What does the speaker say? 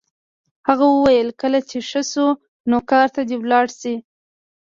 هغه وویل کله چې ښه شو نو کار ته دې لاړ شي